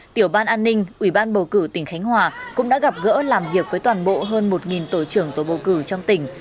tiểu ban an ninh ủy ban bầu cử tỉnh khánh hòa cũng đã gặp gỡ làm việc với toàn bộ hơn một tổ trưởng tổ bầu cử trong tỉnh